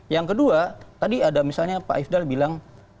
yang kedua tadi ada misalnya pak ifdal bilang